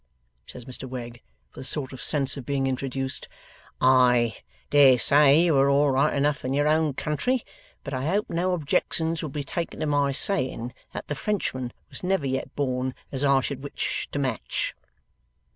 says Mr Wegg, with a sort of sense of being introduced; 'I dare say you were all right enough in your own country, but I hope no objections will be taken to my saying that the Frenchman was never yet born as I should wish to match.